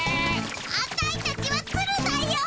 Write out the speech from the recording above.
アタイたちはツルだよ。